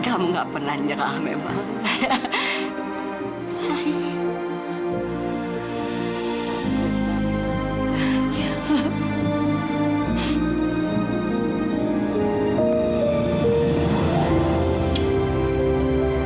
kamu gak pernah nyekalah memang